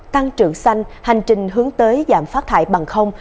tăng trưởng xanh hành trình hướng tới giảm phát thải bằng không